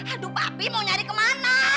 aduh papi mau nyari kemana